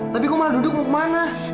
tapi kok malah duduk mau kemana